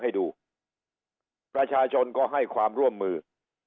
ให้ดูประชาชนก็ให้ความร่วมมือ